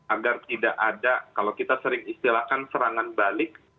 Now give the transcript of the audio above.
agar tidak ada kalau kita sering istilahkan serangan balik